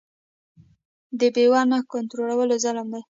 د بیو نه کنټرول ظلم دی.